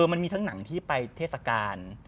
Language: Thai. มันมีทั้งหนังที่ไปเทศกาล